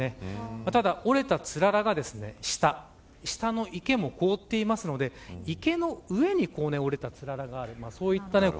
ただ、折れたつららが下の池も凍ってるので池の上に折れたつららがあります。